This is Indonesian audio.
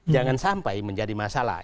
jangan sampai menjadi masalah